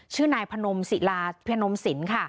ชื่อนายพนมศิลาพนมสินค่ะ